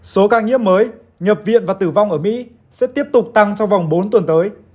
số ca nhiễm mới nhập viện và tử vong ở mỹ sẽ tiếp tục tăng trong vòng bốn tuần tới